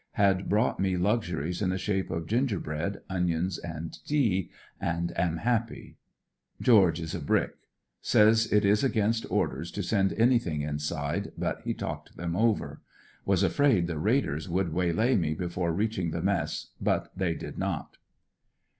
Had brought me luxuries in the shape of ginger bread, onions and tea, and am happy. Geo. is a brick. Says it is against orders to send any thing inside but he talked them over. Was afraid the raiders would waylay me before reaching the mess but they did not.